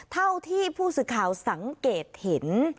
เท่าที่ผู้สื่อข่าวสังเกตเห็น